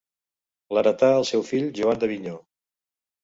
L'heretà el seu fill Joan d'Avinyó.